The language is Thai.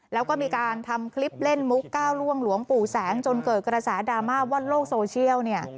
แล้วก็มีการทำคลิปเล่นมุกก้าวล่วงหลวงปู่แสงจนเกิดกระแสดราม่าว่าโลกโซเชียลเนี่ย